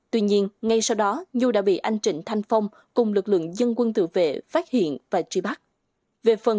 tuy nhiên nạn nhân đã có bạn trai và sau này tiến tới hôn nhân cũng từ đây nhu và nạn nhân xảy ra bâu thuẫn cá nhân